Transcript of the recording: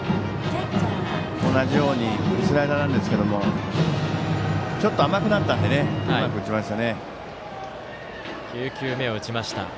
同じようにスライダーなんですけどちょっと甘くなったのでうまく打ちましたね。